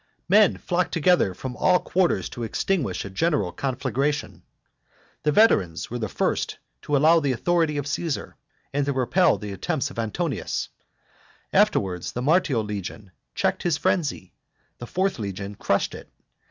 Men flock together from all quarters to extinguish a general conflagration. The veterans were the first to follow the authority of Caesar and to repel the attempts of Antonius, afterwards the Martial legion checked his frenzy, the fourth legion crushed it.